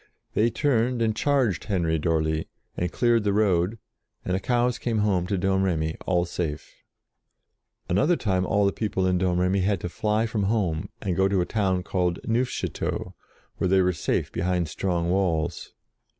They turned and charged Henry d'Orly, and cleared the road, and the cows came home to Domremy, all safe. Another time all the people in Domremy had to fly from home, and go to a town called Neufchateau, where they were safe behind strong walls.